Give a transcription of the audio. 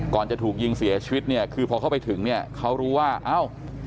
จะถูกยิงเสียชีวิตเนี่ยคือพอเข้าไปถึงเนี่ยเขารู้ว่าเอ้า